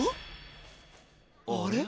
あれ？